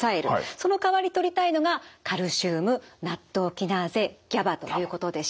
そのかわりとりたいのがカルシウムナットウキナーゼＧＡＢＡということでした。